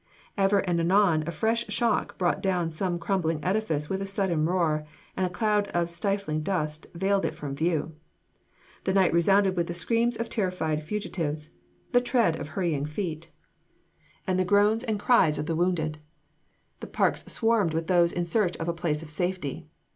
Ever and anon a fresh shock brought down some crumbling edifice with a sullen roar, and a cloud of stifling dust veiled it from view. The night resounded with the screams of terrified fugitives, the tread of hurrying feet, and the groans and cries of the wounded. The parks swarmed with those in search of a place of safety.